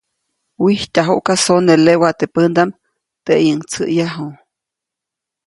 Wijtyajuʼka sone lewa teʼ pändaʼm, teʼyiʼuŋ tsäʼyäju.